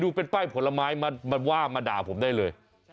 เป็นป้ายผลไม้มันว่ามาด่าผมได้เลย